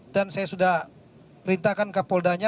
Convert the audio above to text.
dan saya sudah rintakan kapoldanya